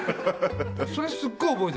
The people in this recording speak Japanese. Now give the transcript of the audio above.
それ、すごい覚えてて。